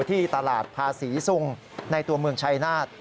ที่ตลาดภาษีซุงในตัวเมืองชายนาฏ